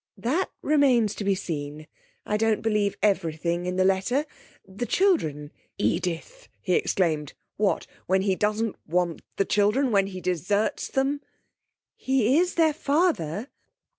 'That remains to be seen. I don't believe everything in the letter. The children ' 'Edith!' he exclaimed. 'What when he doesn't want the children when he deserts them?' 'He is their father.'